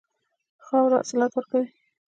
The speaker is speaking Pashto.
خاوره حاصلات ورکوي.